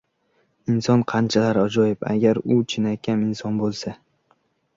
Inson qanchalar ajoyib, agar u chinakam inson bo‘lsa.